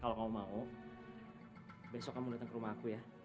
kalau kamu mau besok kamu datang ke rumah aku ya